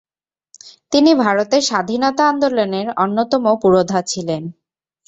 তিনি ভারতের স্বাধীনতা আন্দোলনের অন্যতম পুরোধা ছিলেন।